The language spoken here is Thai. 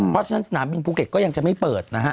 เพราะฉะนั้นสนามบินภูเก็ตก็ยังจะไม่เปิดนะฮะ